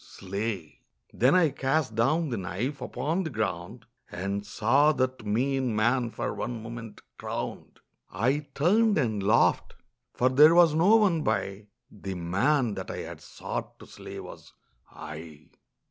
Slay!' Then I cast down the knife upon the ground And saw that mean man for one moment crowned. I turned and laughed: for there was no one by The man that I had sought to slay was I.